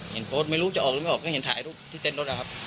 เห็นโพสต์ไม่รู้จะออกหรือไม่ออกก็เห็นถ่ายรูปที่เต้นรถนะครับ